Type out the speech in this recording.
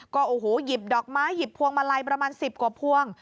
ก็โอ้โหหยิบดอกไม้หยิบพวงมาลัยประมาณ๑๐กว่าพวง